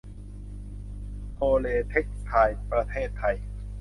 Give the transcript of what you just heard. โทเร เท็กซ์ไทล์ ประเทศไทย